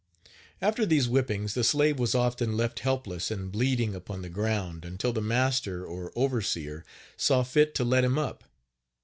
After these whippings the slave was often left helpless and bleeding upon the ground, until the master, or overseer, saw fit to let him up.